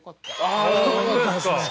あ本当ですか。